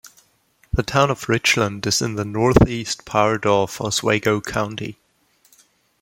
The Town of Richland is in the northeast part of Oswego County.